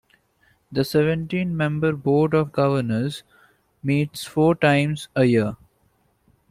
The seventeen-member Board of Governors meets four times a year.